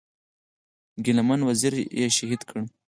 ګيله من وزير یې شهید کړ.